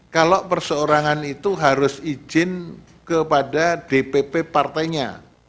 kalau perseorangan itu harus izin kepada dpp partainya